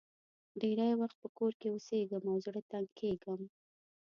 ډېری وخت په کور کې اوسېږم او زړه تنګ کېږم.